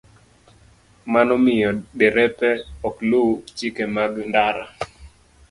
Mano miyo derepe ok luw chike mag ndara.